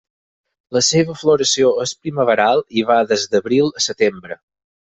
La seua floració és primaveral i va des d'abril a setembre.